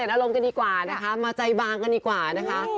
อารมณ์กันดีกว่านะคะมาใจบางกันดีกว่านะคะ